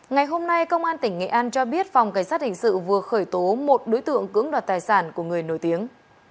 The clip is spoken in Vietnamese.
ngày hôm nay công an tỉnh nghệ an cho biết phòng cảnh sát hình sự vừa khởi tố một đối tượng cưỡng đoạt tài sản của người nổi tiếng